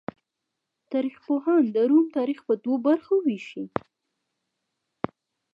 تاریخ پوهان د روم تاریخ په دوو برخو ویشي.